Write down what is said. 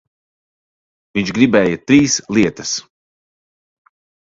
Viņš gribēja trīs lietas.